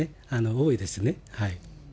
多いですね。